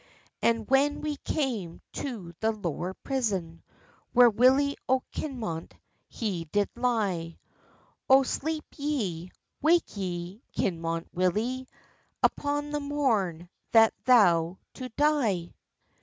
And when we came to the lower prison, Where Willie o Kinmont he did lie, "O sleep ye, wake ye, Kinmont Willie, Upon the morn that thou's to die?"